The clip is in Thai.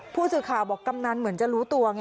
ผู้สื่อข่าวบอกกำนันเหมือนจะรู้ตัวไง